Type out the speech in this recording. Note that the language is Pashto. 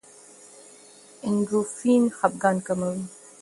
اندورفین خپګان کموي.